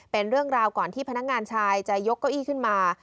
เป็นเรื่องราวก่อนที่พนักงานชายจะยกเก้าอี้ขึ้นมา